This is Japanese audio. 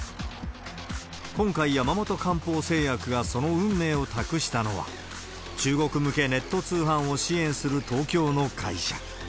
今回、山本漢方製薬がその運命を託したのは、中国向けネット通販を支援する東京の会社。